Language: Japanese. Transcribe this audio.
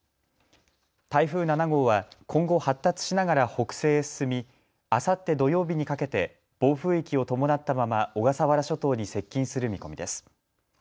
台風７号は今後、発達しながら北西へ進み、あさって土曜日にかけて暴風域を伴ったまま小笠原諸島に接近する見込みです。